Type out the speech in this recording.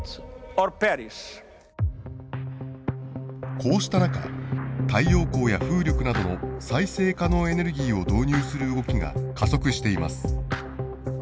こうした中太陽光や風力などの再生可能エネルギーを導入する動きが加速しています。